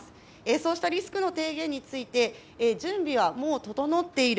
そうしたリスクの提言について準備はもう整っている。